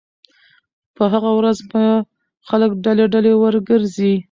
په هغه ورځ به خلک ډلې ډلې ورګرځي